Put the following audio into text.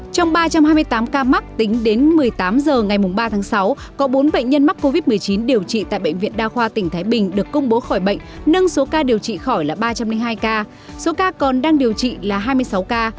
trong ba trăm hai mươi tám ca mắc tính đến một mươi tám h ngày ba tháng sáu có bốn bệnh nhân mắc covid một mươi chín điều trị tại bệnh viện đa khoa tỉnh thái bình được công bố khỏi bệnh nâng số ca điều trị khỏi là ba trăm linh hai ca số ca còn đang điều trị là hai mươi sáu ca